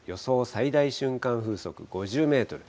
最大瞬間風速５０メートル。